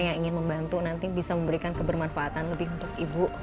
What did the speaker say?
yang ingin membantu nanti bisa memberikan kebermanfaatan lebih untuk ibu